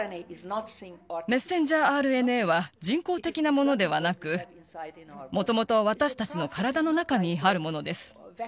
メッセンジャーＲＮＡは、人工的なものではなく、もともと私たちの体の中にあるものです。